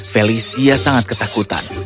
felicia sangat ketakutan